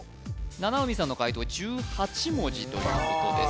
七海さんの解答１８文字ということです